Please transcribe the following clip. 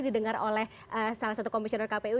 didengar oleh salah satu komisioner kpu